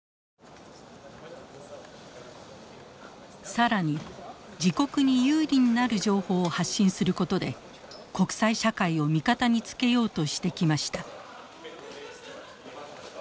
更に自国に有利になる情報を発信することで国際社会を味方につけようとしてきました。